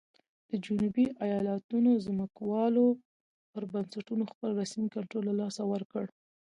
د جنوبي ایالتونو ځمکوالو پر بنسټونو خپل رسمي کنټرول له لاسه ورکړ.